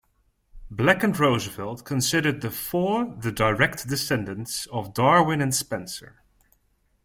Black and Roosevelt considered the Four the direct descendants of Darwin and Spencer.